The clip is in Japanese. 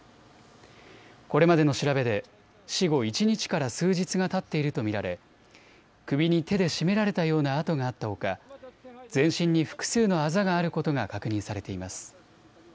これまでの調べで死後一日から数日がたっていると見られ首に手で絞められたような痕があったほか全身に複数のあざがあることが確認されています。